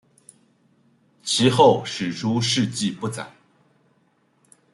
其后史书事迹不载。